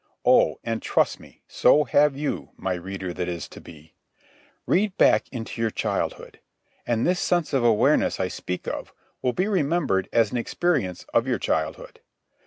—Oh, and trust me, so have you, my reader that is to be. Read back into your childhood, and this sense of awareness I speak of will be remembered as an experience of your childhood.